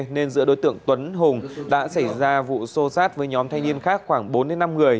nên giữa đối tượng tuấn hùng đã xảy ra vụ xô sát với nhóm thanh niên khác khoảng bốn năm người